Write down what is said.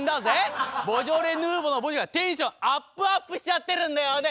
ボジョレヌーボの「ボジョレ」がテンションアップアップしちゃってるんだよね。